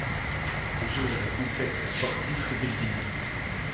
Il joue dans le Complexe sportif Ioubilieïny.